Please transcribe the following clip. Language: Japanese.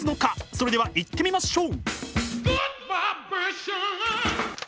それではいってみましょう。